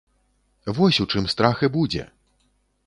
Вось у чым страх і будзе!